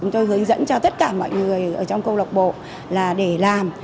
chúng tôi hướng dẫn cho tất cả mọi người ở trong câu lạc bộ là để làm